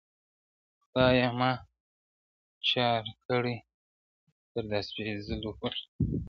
خدايه ما جار کړې دهغو تر دا سپېڅلې پښتو ،